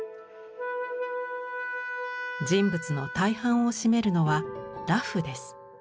人物の大半を占めるのは裸婦です。